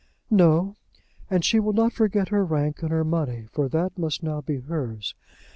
"No, and she will not forget her rank and her money; for that must now be hers.